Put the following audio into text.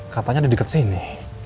katanya ada diket sini